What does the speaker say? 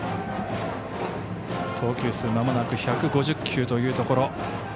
投球数まもなく１５０球というところ。